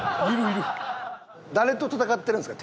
誰と闘ってるんですか？